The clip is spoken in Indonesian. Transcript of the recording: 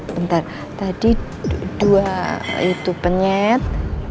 bentar tadi dua itu penyet